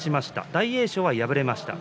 大栄翔は今日敗れました。